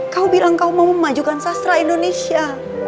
kau bilang kau mau memajukan sastra indonesia